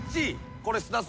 これ菅田さん。